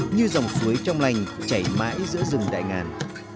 như dòng suối trong lành chảy mãi giữa rừng đại ngàn